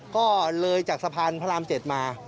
ก็เลยจากสะพานพระราม๗มา